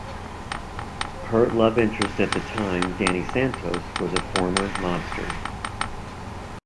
Her love interest at the time, Danny Santos, was a former mobster.